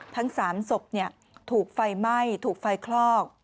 ทั้งสามศพเนี่ยถูกไฟไหม้ถูกไฟคลอก